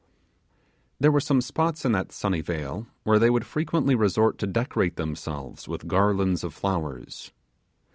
There were some spots in that sunny vale where they would frequently resort to decorate themselves with garlands of flowers.